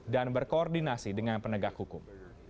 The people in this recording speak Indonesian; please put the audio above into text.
dan berkoordinasi dengan penegak hukum